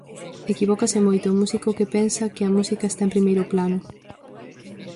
Equivócase moito o músico que pensa que a música está en primeiro plano.